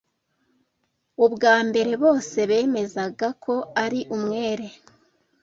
Ubwa mbere, bose bemezaga ko ari umwere.